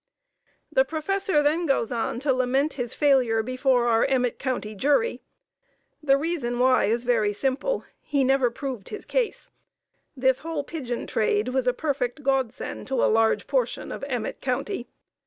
The Professor then goes on to lament his failure before our Emmett County jury. The reason why is very simple, he never proved his case. This whole pigeon trade was a perfect Godsend to a large portion of Emmett County.